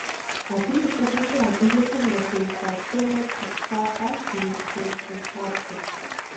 Абы и фӀыгъэкӀэ адыгэхэм ятеухуа темэр хэпща хъуащ дунейпсо щэнхабзэм.